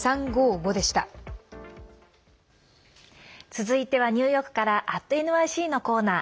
続いてはニューヨークから「＠ｎｙｃ」のコーナー。